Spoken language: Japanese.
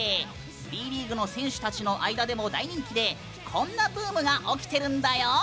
Ｂリーグの選手たちの間でも大人気でこんなブームが起きてるんだよ。